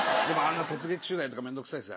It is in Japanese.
突撃取材とか面倒くさいですよ。